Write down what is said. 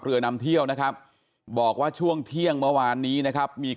เรือนำเที่ยวนะครับบอกว่าช่วงเที่ยงเมื่อวานนี้นะครับมี